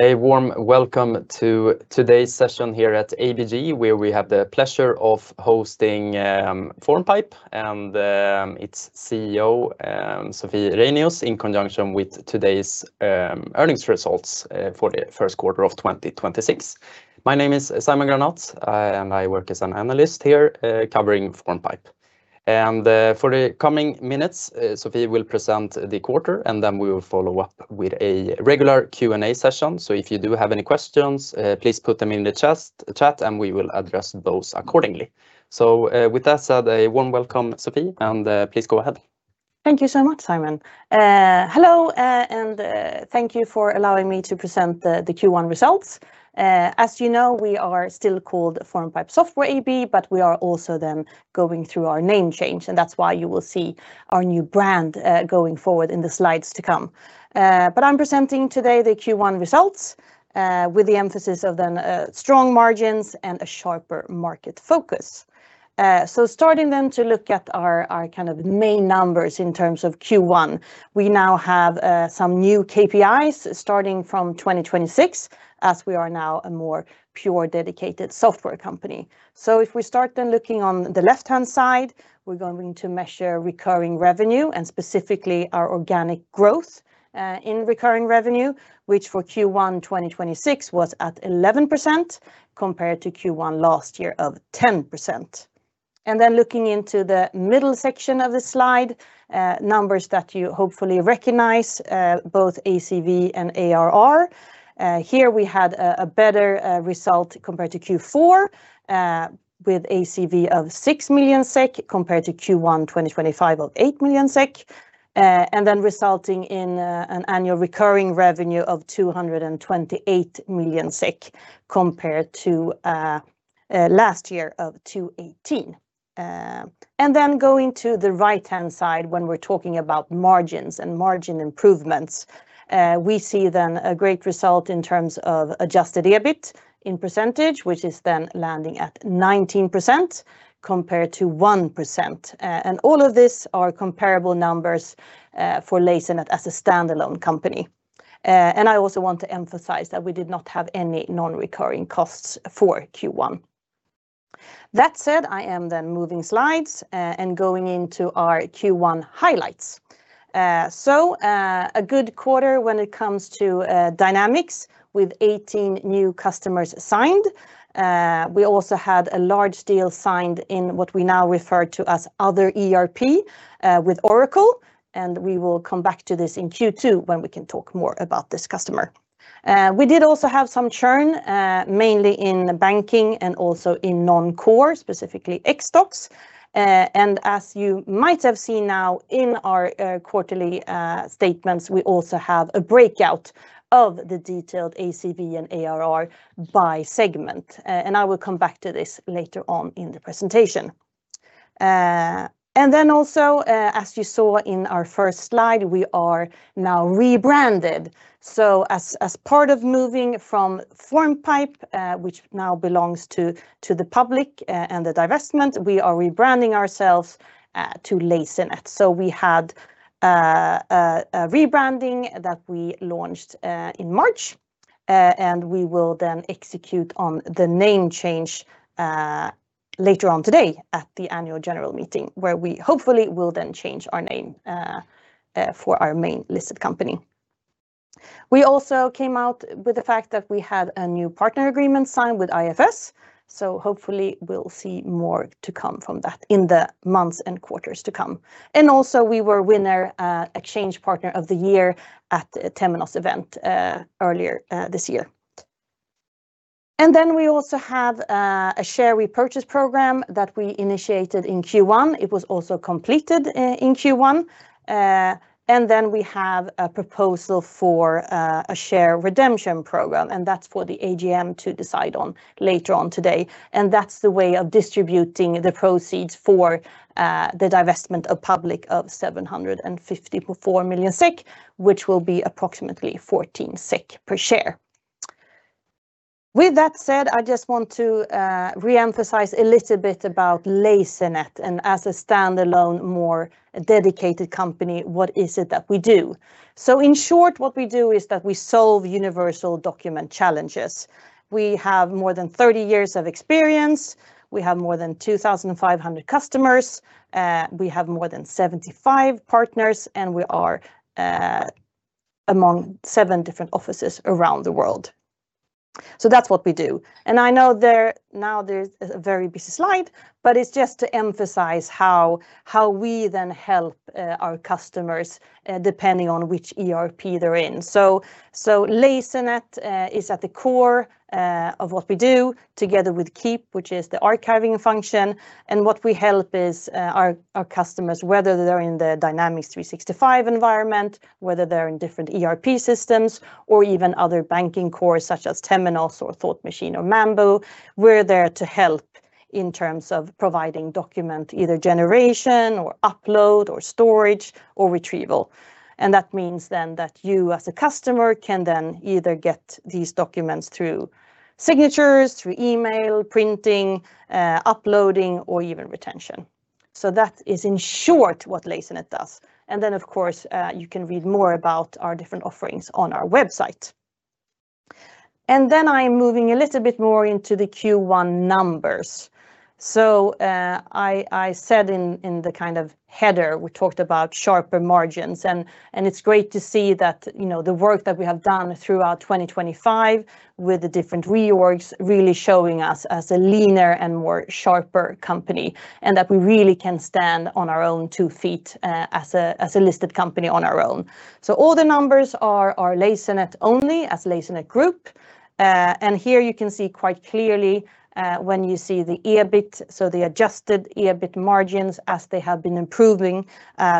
A warm welcome to today's session here at ABG, where we have the pleasure of hosting Formpipe and its CEO, Sophie Reinius, in conjunction with today's earnings results for the first quarter of 2026. My name is Simon Granath, and I work as an analyst here, covering Formpipe. For the coming minutes, Sophie will present the quarter, and then we will follow up with a regular Q&A session. If you do have any questions, please put them in the chat, and we will address those accordingly. With that said, a warm welcome, Sophie, and please go ahead. Thank you so much, Simon. Hello, thank you for allowing me to present the Q1 results. As you know, we are still called Formpipe Software AB, we are also then going through our name change, and that's why you will see our new brand going forward in the slides to come. I'm presenting today the Q1 results with the emphasis of then strong margins and a sharper market focus. Starting then to look at our kind of main numbers in terms of Q1, we now have some new KPIs starting from 2026, as we are now a more pure dedicated software company. If we start then looking on the left-hand side, we're going to measure recurring revenue and specifically our organic growth in recurring revenue, which for Q1 2026 was at 11% compared to Q1 last year of 10%. Then looking into the middle section of the slide, numbers that you hopefully recognize, both ACV and ARR. Here we had a better result compared to Q4, with ACV of 6 million SEK compared to Q1 2025 of 8 million SEK, resulting in an annual recurring revenue of 228 million SEK compared to last year of 218 million. Going to the right-hand side when we're talking about margins and margin improvements, we see then a great result in terms of adjusted EBIT in percentage, which is then landing at 19% compared to 1%. All of these are comparable numbers for Lasernet as a standalone company. I also want to emphasize that we did not have any non-recurring costs for Q1. That said, I am then moving slides and going into our Q1 highlights. A good quarter when it comes to Dynamics with 18 new customers signed. We also had a large deal signed in what we now refer to as other ERP with Oracle, and we will come back to this in Q2 when we can talk more about this customer. We did also have some churn, mainly in banking and also in non-core, specifically X-Docs. As you might have seen now in our quarterly statements, we also have a breakout of the detailed ACV and ARR by segment. I will come back to this later on in the presentation. As you saw in our first slide, we are now rebranded. As part of moving from Formpipe, which now belongs to Formpipe Public, and the divestment, we are rebranding ourselves to Lasernet. We had a rebranding that we launched in March, we will then execute on the name change later on today at the annual general meeting, where we hopefully will then change our name for our main listed company. We also came out with the fact that we had a new partner agreement signed with IFS, so hopefully we'll see more to come from that in the months and quarters to come. We were winner, Exchange Partner of the Year at Temenos event earlier this year. We also have a share repurchase program that we initiated in Q1. It was also completed in Q1. Then we have a proposal for a share redemption program, and that's for the AGM to decide on later on today. That's the way of distributing the proceeds for the divestment of public of 754 million SEK, which will be approximately 14 SEK per share. With that said, I just want to reemphasize a little bit about Lasernet, as a standalone, more dedicated company, what is it that we do? In short, what we do is that we solve universal document challenges. We have more than 30 years of experience. We have more than 2,500 customers. We have more than 75 partners, we are among seven different offices around the world. That's what we do. I know now there's a very busy slide, but it's just to emphasize how we then help our customers depending on which ERP they're in. Lasernet is at the core of what we do together with Keep, which is the archiving function. What we help is our customers, whether they're in the Dynamics 365 environment, whether they're in different ERP systems or even other banking cores, such as Temenos or Thought Machine or Mambu, we're there to help in terms of providing document, either generation or upload or storage or retrieval. That means then that you, as a customer, can then either get these documents through signatures, through email, printing, uploading, or even retention. That is in short what Lasernet does. Then of course, you can read more about our different offerings on our website. Then I'm moving a little bit more into the Q1 numbers. I said in the kind of header, we talked about sharper margins, and it's great to see that, you know, the work that we have done throughout 2025 with the different reorgs really showing us as a leaner and more sharper company, and that we really can stand on our own two feet as a, as a listed company on our own. All the numbers are Lasernet only as Lasernet Group. Here you can see quite clearly when you see the EBIT, so the adjusted EBIT margins as they have been improving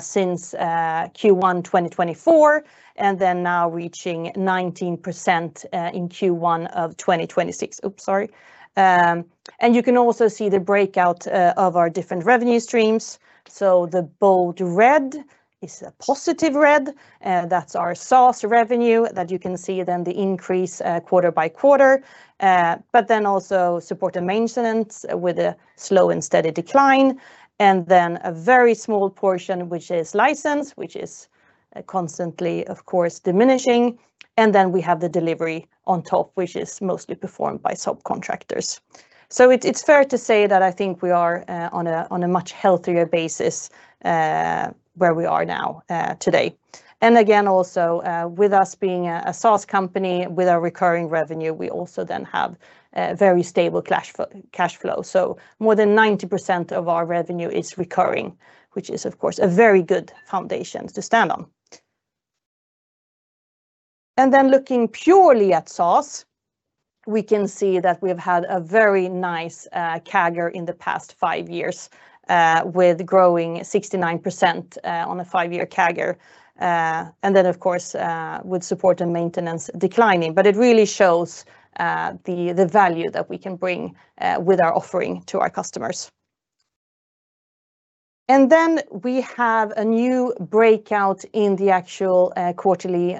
since Q1 2024, and then now reaching 19% in Q1 of 2026. Oops, sorry. You can also see the breakout of our different revenue streams. The bold red is a positive red, that's our SaaS revenue that you can see then the increase, quarter by quarter. Also support and maintenance with a slow and steady decline. A very small portion, which is license, which is constantly, of course, diminishing. We have the delivery on top, which is mostly performed by subcontractors. It's fair to say that I think we are on a much healthier basis, where we are now today. Again, also, with us being a SaaS company with our recurring revenue, we also then have very stable cash flow. More than 90% of our revenue is recurring, which is of course a very good foundation to stand on. Looking purely at SaaS, we can see that we've had a very nice CAGR in the past five years, with growing 69% on a five-year CAGR. Then of course, with support and maintenance declining. It really shows the value that we can bring with our offering to our customers. Then we have a new breakout in the actual quarterly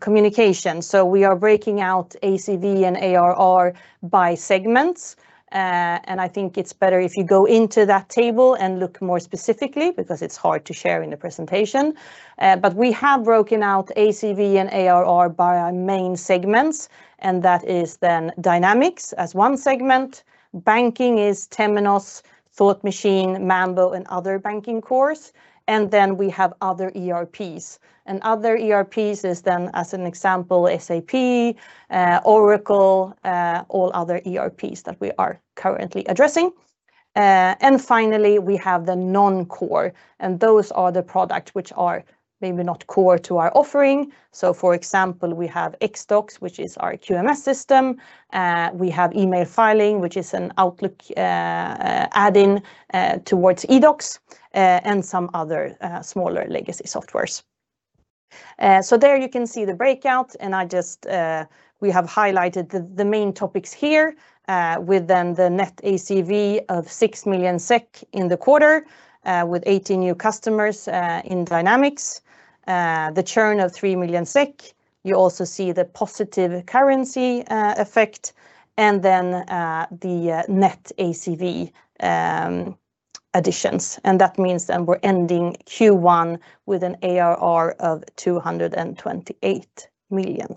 communication. We are breaking out ACV and ARR by segments. I think it's better if you go into that table and look more specifically because it's hard to share in the presentation. We have broken out ACV and ARR by our main segments, and that is then Dynamics as one segment. Banking is Temenos, Thought Machine, Mambu, and other banking cores. Then we have other ERPs. Other ERPs is then, as an example, SAP, Oracle, all other ERPs that we are currently addressing. Finally, we have the non-core, and those are the products which are maybe not core to our offering. So for example, we have X-Docs, which is our QMS system. We have email filing, which an Outlook add-in towards eDocs, and some other smaller legacy softwares. There you can see the breakout. We have highlighted the main topics here, with then the net ACV of 6 million SEK in the quarter, with 80 new customers in Dynamics. The churn of 3 million SEK. You also see the positive currency effect, and then the net ACV additions. That means we're ending Q1 with an ARR of 228 million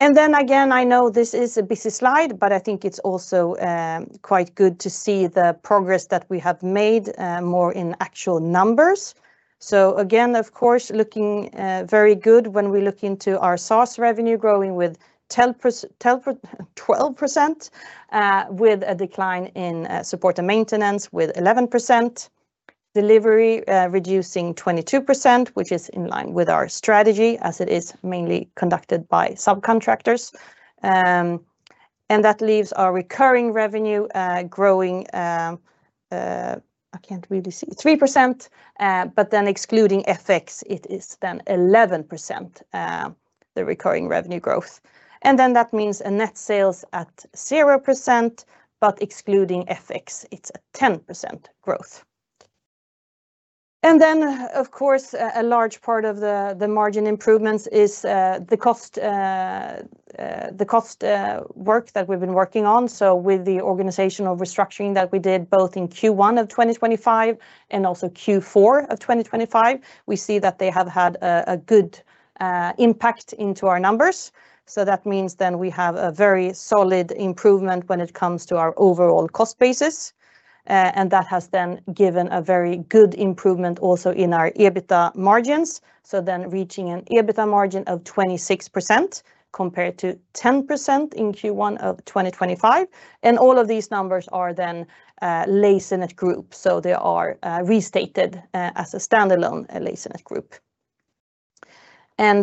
SEK. Again, I know this is a busy slide, but I think it's also quite good to see the progress that we have made more in actual numbers. Again, of course, looking very good when we look into our SaaS revenue growing with 12%, with a decline in support and maintenance with 11%. Delivery, reducing 22%, which is in line with our strategy as it is mainly conducted by subcontractors. That leaves our recurring revenue growing, I can't really see, 3%. Excluding FX, it is 11% the recurring revenue growth. That means a net sales at 0%, but excluding FX, it's a 10% growth. Of course, a large part of the margin improvements is the cost work that we've been working on. With the organizational restructuring that we did both in Q1 of 2025 and also Q4 of 2025, we see that they have had a good impact into our numbers. That means then we have a very solid improvement when it comes to our overall cost basis. That has then given a very good improvement also in our EBITDA margins. Reaching an EBITDA margin of 26% compared to 10% in Q1 of 2025. All of these numbers are then Lasernet Group. They are restated as a standalone Lasernet Group.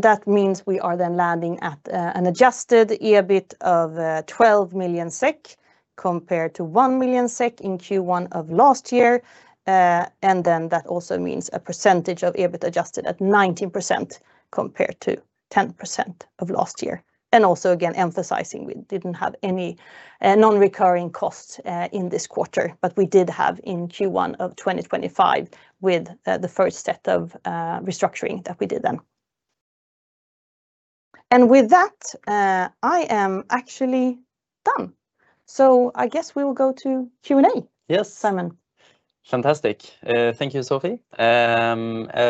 That means we are then landing at an adjusted EBIT of 12 million SEK compared to 1 million SEK in Q1 of last year. That also means a percentage of EBIT adjusted at 19% compared to 10% of last year. Again, emphasizing we didn't have any non-recurring costs in this quarter, but we did have in Q1 of 2025 with the first set of restructuring that we did then. I am actually done. I guess we will go to Q&A. Yes Simon. Fantastic. Thank you, Sophie.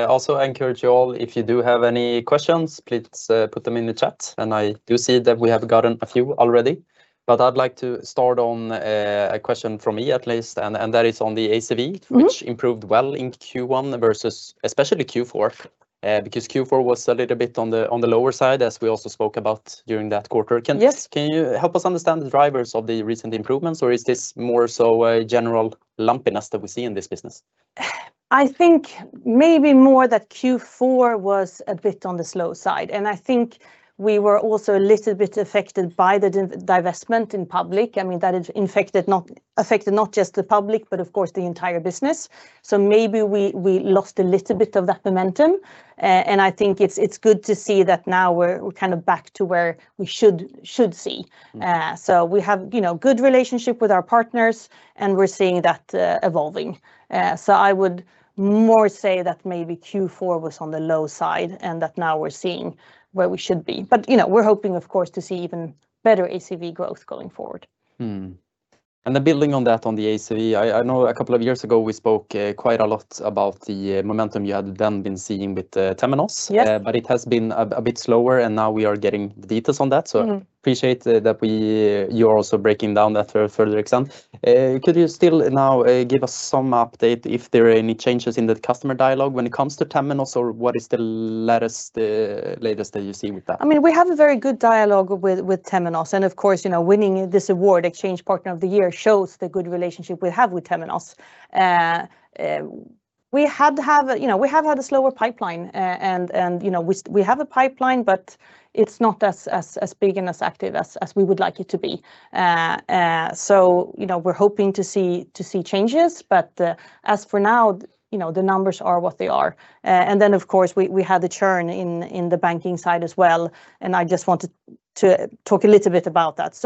Also I encourage you all, if you do have any questions, please put them in the chat, and I do see that we have gotten a few already. I'd like to start on a question from me at least, and that is on the ACV. Mm-hmm... which improved well in Q1 versus especially Q4. Q4 was a little bit on the, on the lower side, as we also spoke about during that quarter. Yes... can you help us understand the drivers of the recent improvements? Is this more so a general lumpiness that we see in this business? I think maybe more that Q4 was a bit on the slow side, and I think we were also a little bit affected by the divestment in public. I mean, that it affected not just the public, but of course the entire business. Maybe we lost a little bit of that momentum. I think it's good to see that now we're kind of back to where we should see. We have, you know, good relationship with our partners, and we're seeing that evolving. I would more say that maybe Q4 was on the low side, and that now we're seeing where we should be. You know, we're hoping of course to see even better ACV growth going forward. Building on that, on the ACV, I know a couple of years ago we spoke quite a lot about the momentum you had then been seeing with Temenos. Yes. It has been a bit slower. Now we are getting the details on that. Mm-hmm ... appreciate that we, you're also breaking down that for further exam. Could you still now give us some update if there are any changes in the customer dialogue when it comes to Temenos, or what is the latest that you see with that? I mean, we have a very good dialogue with Temenos, and of course, you know, winning this award, Exchange Partner of the Year, shows the good relationship we have with Temenos. We had to have, you know, we have had a slower pipeline, and you know, we have a pipeline, but it's not as big and as active as we would like it to be. You know, we're hoping to see changes, but, as for now, you know, the numbers are what they are. Then of course we had the churn in the banking side as well, and I just wanted to talk a little bit about that.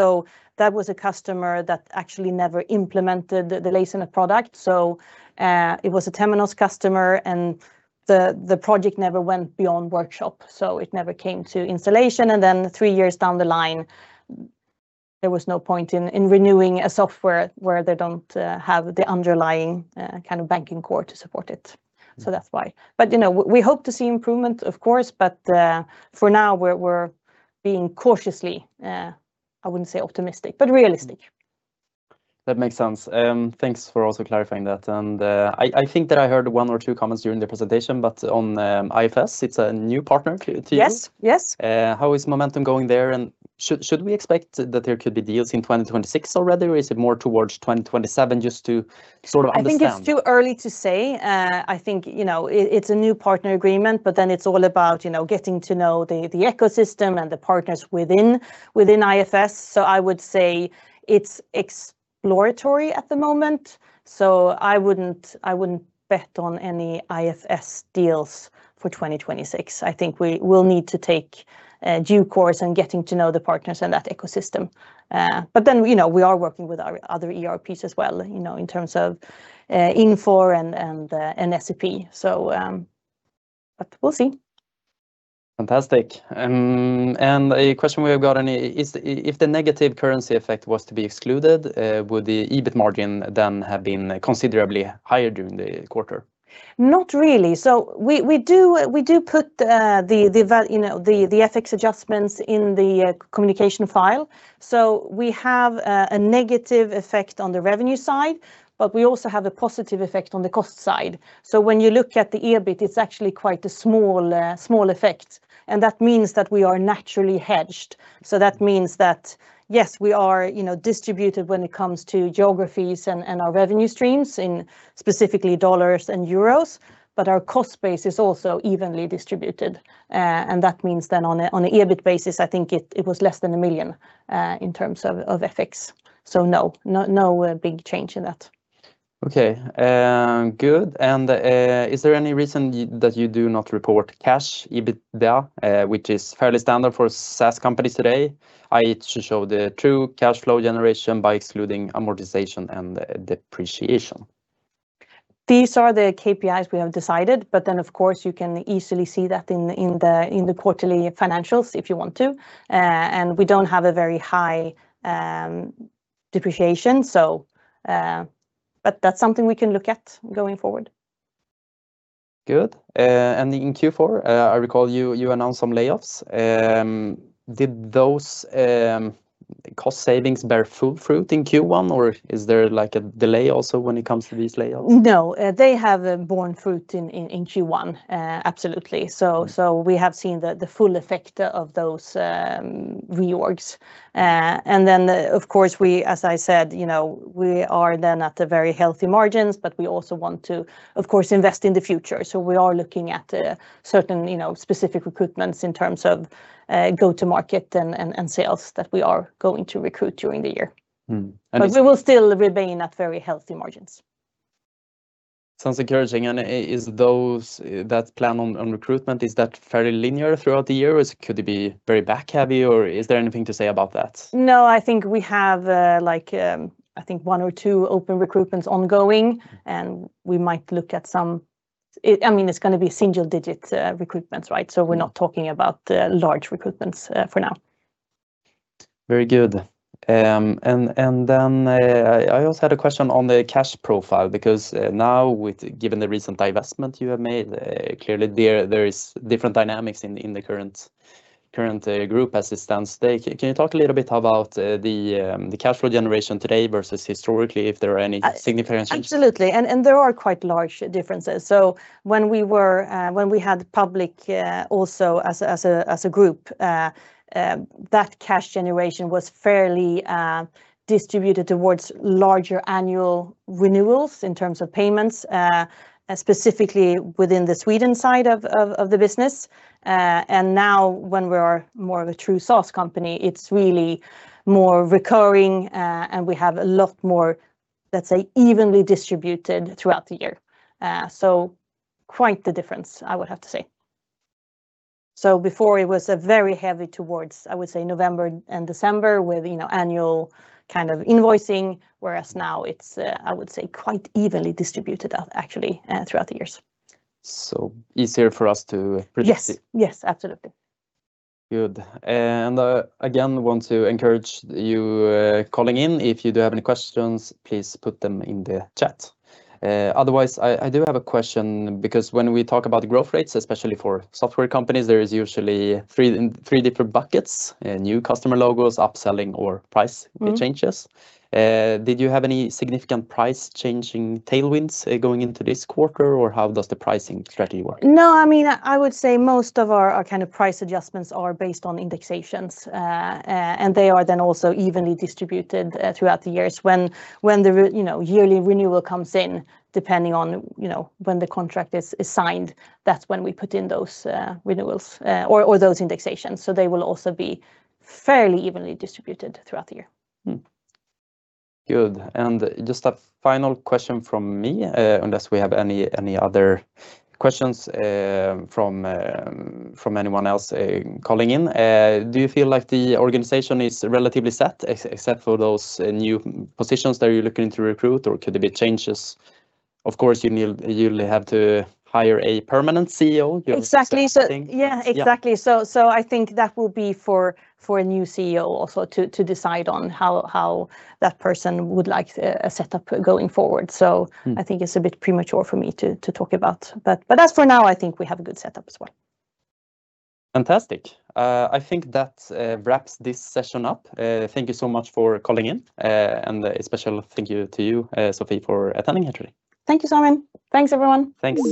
That was a customer that actually never implemented the Lasernet product. It was a Temenos customer, and the project never went beyond workshop, so it never came to installation. 3 years down the line, there was no point in renewing a software where they don't have the underlying kind of banking core to support it. Mm-hmm. That's why. You know, we hope to see improvement of course, but for now we're being cautiously, I wouldn't say optimistic, but realistic. That makes sense. Thanks for also clarifying that. I think that I heard one or two comments during the presentation, but on IFS, it's a new partner to you. Yes, yes. How is momentum going there? Should we expect that there could be deals in 2026 already? Or is it more towards 2027? Just to sort of understand. I think it's too early to say. I think, you know, it's a new partner agreement, but then it's all about, you know, getting to know the ecosystem and the partners within IFS. I would say it's exploratory at the moment, so I wouldn't, I wouldn't bet on any IFS deals for 2026. I think we will need to take due course in getting to know the partners and that ecosystem. You know, we are working with our other ERPs as well, you know, in terms of Infor and SAP. We'll see. Fantastic. A question we have gotten is, if the negative currency effect was to be excluded, would the EBIT margin then have been considerably higher during the quarter? Not really. We do put, you know, the FX adjustments in the communication file. We have a negative effect on the revenue side, but we also have a positive effect on the cost side. When you look at the EBIT, it's actually quite a small effect, and that means that we are naturally hedged. That means that, yes, we are, you know, distributed when it comes to geographies and our revenue streams in specifically dollars and euros, but our cost base is also evenly distributed. That means then on an EBIT basis, I think it was less than 1 million in terms of FX. No big change in that. Okay. good. Is there any reason that you do not report cash EBITDA, which is fairly standard for SaaS companies today, i.e., to show the true cash flow generation by excluding amortization and depreciation? These are the KPIs we have decided, but then of course you can easily see that in the quarterly financials if you want to. We don't have a very high depreciation, so, but that's something we can look at going forward. Good. In Q4, I recall you announced some layoffs. Did those cost savings bear fruit in Q1, or is there, like, a delay also when it comes to these layoffs? No. They have borne fruit in Q1, absolutely. We have seen the full effect of those reorgs. Of course we, as I said, you know, we are then at the very healthy margins, but we also want to, of course, invest in the future. We are looking at certain, you know, specific recruitments in terms of go-to-market and sales that we are going to recruit during the year. Mm-hmm. We will still remain at very healthy margins. Sounds encouraging. Is those, that plan on recruitment, is that fairly linear throughout the year, or could it be very back heavy, or is there anything to say about that? No, I think we have, like, I think one or two open recruitments ongoing, and we might look at, I mean, it's gonna be single-digit recruitments, right? We are not talking about large recruitments for now. Very good. Then I also had a question on the cash profile because given the recent divestment you have made, clearly there is different dynamics in the current Group as it stands. Can you talk a little bit about the cash flow generation today versus historically, if there are any significant changes? Absolutely. There are quite large differences. When we were when we had Formpipe Public also as a group, that cash generation was fairly distributed towards larger annual renewals in terms of payments specifically within the Sweden side of the business. Now when we are more of a true SaaS company, it's really more recurring. We have a lot more, let's say, evenly distributed throughout the year. Quite the difference I would have to say. Before it was very heavy towards, I would say November and December with, you know, annual kind of invoicing, whereas now it's, I would say quite evenly distributed actually throughout the years. Easier for us to predict it. Yes. Yes. Absolutely. Good. Again, want to encourage you calling in. If you do have any questions, please put them in the chat. Otherwise, I do have a question because when we talk about growth rates, especially for software companies, there is usually three different buckets, new customer logos, upselling. Mm... changes. Did you have any significant price changing tailwinds going into this quarter, or how does the pricing strategy work? No, I mean, I would say most of our kind of price adjustments are based on indexations. They are then also evenly distributed throughout the years when, you know, yearly renewal comes in, depending on, you know, when the contract is signed, that's when we put in those renewals or those indexations. They will also be fairly evenly distributed throughout the year. Good. Just a final question from me, unless we have any other questions from anyone else calling in. Do you feel like the organization is relatively set except for those new positions that you're looking to recruit or could there be changes? Of course, you'll have to hire a permanent CEO. You have said something. Exactly. Yeah. Yeah, exactly. I think that will be for a new CEO also to decide on how that person would like a setup going forward. Mm I think it's a bit premature for me to talk about. As for now, I think we have a good setup as well. Fantastic. I think that wraps this session up. Thank you so much for calling in. And a special thank you to you, Sophie, for attending actually. Thank you, Simon. Thanks everyone. Thanks.